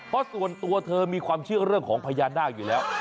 เพราะส่วนตัวเธอมีความเชื่อเรื่องของพญานาคอยู่แล้ว